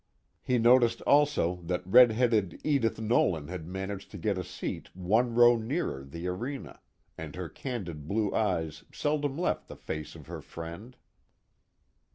He noticed also that redheaded Edith Nolan had managed to get a seat one row nearer the arena, and her candid blue eyes seldom left the face of her friend.